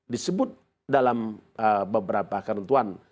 disebut dalam beberapa kerentuan